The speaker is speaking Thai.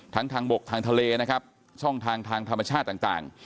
ทางบกทางทะเลนะครับช่องทางทางธรรมชาติต่าง